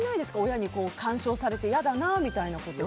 親に干渉されて嫌だなみたいなこと。